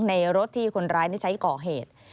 ในรถที่คนร้ายนี่ใช้ก่อเหตุ